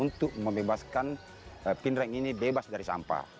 untuk membebaskan pindrang ini bebas dari sampah